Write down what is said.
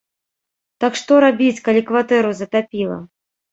Так што рабіць, калі кватэру затапіла?